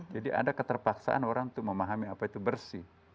jadi ada keterpaksaan orang untuk memahami apa itu bersih